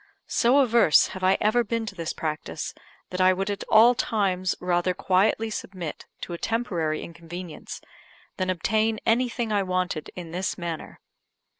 So averse have I ever been to this practice, that I would at all times rather quietly submit to a temporary inconvenience than obtain anything I wanted in this manner.